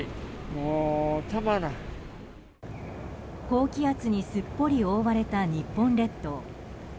高気圧にすっぽり覆われた日本列島。